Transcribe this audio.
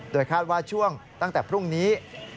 โดยคาดว่าช่วงตั้งแต่พรุ่งนี้